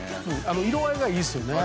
色合いがいいですよね。